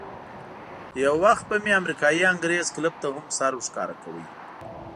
یو وخت به مې امریکایي انګرېز کلب ته هم سر ورښکاره کاوه.